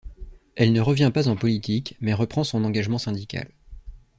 Elle ne revient pas en politique, mais reprend son engagement syndical.